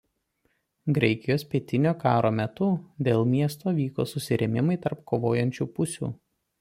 Graikijos pilietinio karo metu dėl miesto vyko susirėmimai tarp kovojančių pusių.